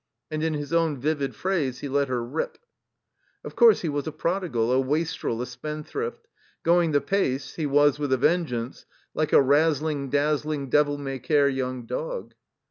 And in his own vivid phrase, he ' 'let her rip. " Of course he was a prodigal, a wastrel, a spend thrift. Going the pace, he was, with a vengeance, like a razzling dazzling, devil may care young dog.